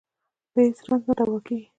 د هېڅ رنځ نه دوا کېږي.